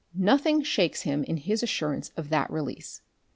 Nothing shakes him in his assurance of that release.